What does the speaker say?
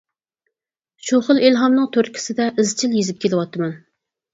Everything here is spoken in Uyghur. شۇ خىل ئىلھامنىڭ تۈرتكىسىدە ئىزچىل يېزىپ كېلىۋاتىمەن.